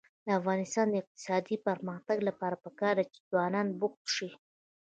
د افغانستان د اقتصادي پرمختګ لپاره پکار ده چې ځوانان بوخت شي.